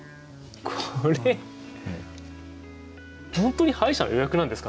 これ本当に歯医者の予約なんですかね？